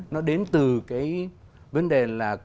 nó đến từ cái vấn đề là